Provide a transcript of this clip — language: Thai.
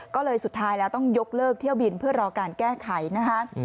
ก็เลยสุดท้ายแล้วต้องยกเลิกเที่ยวบินเพื่อรอการแก้ไขนะคะ